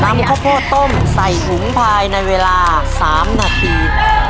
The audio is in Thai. ข้าวโพดต้มใส่ถุงภายในเวลา๓นาที